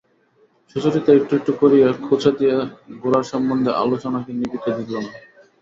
সুচরিতা একটু একটু করিয়া খোঁচা দিয়া দিয়া গোরার সম্বন্ধে আলোচনাকে নিবিতে দিল না।